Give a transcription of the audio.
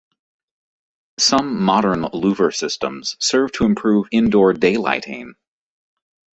Some modern louver systems serve to improve indoor daylighting.